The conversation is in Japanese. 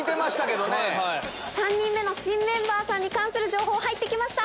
３人目の新メンバーさんに関する情報入って来ました。